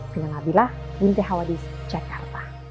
dengan abilah binte hawadis jakarta